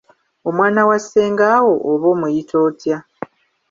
Omwana wa ssengaawo oba omuyita otya?